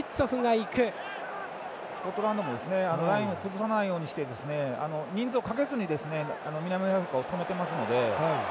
スコットランドもラインを崩さないようにして人数をかけずに南アフリカを止めていますので。